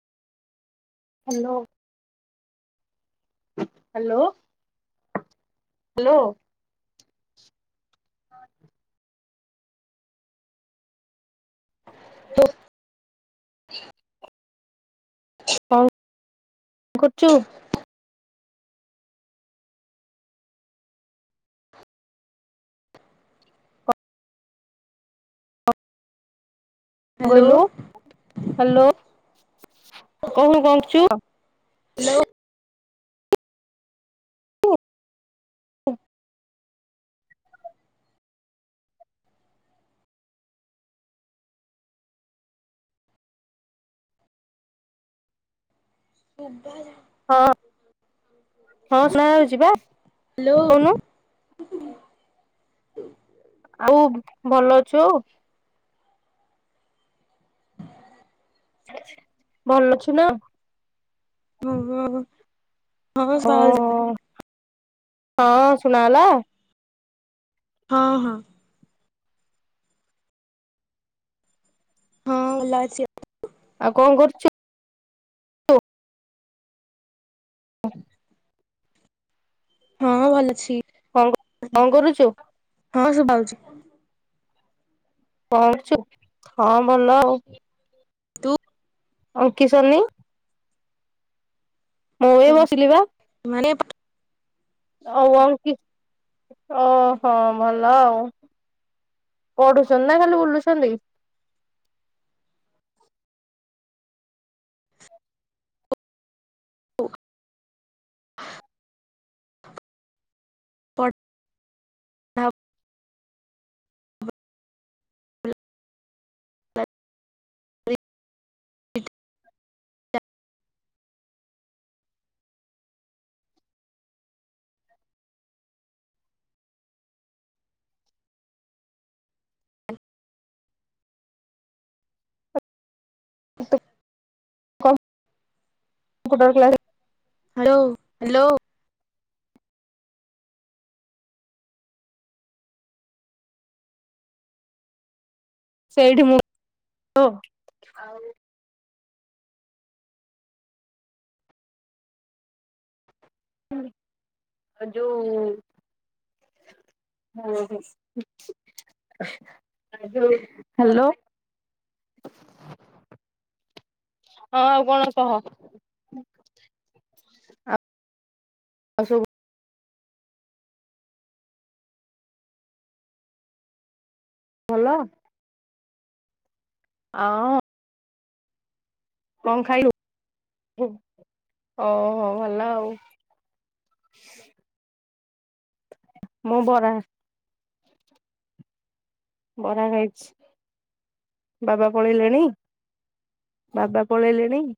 Hello. Hello hello. ହଁ ତୁ କଣ କରୁଛୁ? ହ୍ୟାଲୋ ବଇଲୁ ହ୍ୟାଲୋ [inaudible] କଣ କହୁଛୁ [inaudible] ବୁବାଯା ହଁ ହଁ ସୁଣା ଯାଉଛି ବା ହ୍ୟାଲୋ। କହୁନୁ। ଆଉ ଭଲ ଅଛୁ? ଭଲ ଅଛୁ ନା? ଓୋ ହଁ [unintelligible] ବାହାର ଓହୋ ଯିବ। ହଁ ଶୁଣ ହେଲା। ହଁ ହଁ। ହଁ ଭଲ ଅଛି ଆଉ ଆଉ କଣ କରୁଛୁ। ହଁ। ହଁ ଭଲ ଅଛି। କଣ [inaudible] କଣ କରୁଚୁ। ହଁ ସୁବା ହଉଛି କଣ କଛୁ ହଁ ଭଲ ଆଉ ତୁ ଅଂକିଶନୀ। ମୁଁ ଏଇ ବସିଲି ବା ମାନେ ଓଉ ଅଙ୍କି ଓହୋ ଭଲ ଆଉ ପଢୁଛନ୍ତି ନା ଖାଲି ବୁଲୁଛନ୍ତି। ପ [inaudible] ଢ଼ା ହ୍ [inaudible] ଲା [inaudible] ଲି କହ୍ [inaudible] ଗୋଟେ ଟେ କ୍ଲା ହାଲୋ ହାଲୋ ସେଇଠି ମୁ [inaudible] ହ ଆଉ। ଯୋଉ ହାଲୋ ହଁ ଆଉ କଅଣ କହ। ଆଉ ସବୁ ଭଲ। ଅଁ କଣ ଖାଇଲୁ? ଓହୋ ଭଲ ଆଉ। ମୁଁ ବରା। ବରା ଖାଇଛି। ବାବା ପଳେଇଲେଣି ବାବା ପଳେଇଲେଣି।